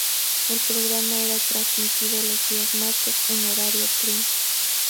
El programa era transmitido los días martes en horario prime.